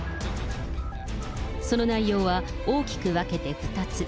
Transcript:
その内容は、大きく分けて２つ。